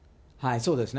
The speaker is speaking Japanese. そうですね。